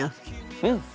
うん！